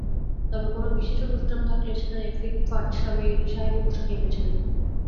তবে কোনো বিশেষ অনুষ্ঠান থাকলে সেখানে ফিটফাট সাহেবি পোশাকই বেছে নেন।